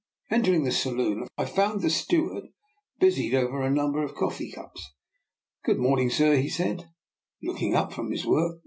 Entering the saloon, I found the steward busied over a number of coffee cups. " Good morning, sir," he said, looking up from his work.